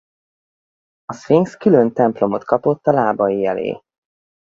A szfinx külön templomot kapott a lábai elé.